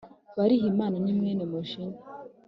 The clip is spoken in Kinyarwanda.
Barihima ni mwene Mujinya.